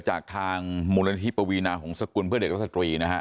จากทางมูลนิธิปวีนาหงษกุลเพื่อเด็กและสตรีนะฮะ